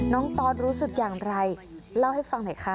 ตอสรู้สึกอย่างไรเล่าให้ฟังหน่อยค่ะ